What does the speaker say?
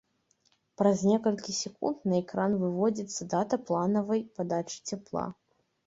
Праз некалькі секунд на экран выводзіцца дата планаванай падачы цяпла.